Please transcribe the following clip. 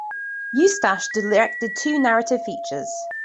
Eustache directed two narrative features.